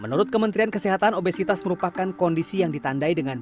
menurut kementerian kesehatan obesitas merupakan kondisi yang ditandai dengan penyakit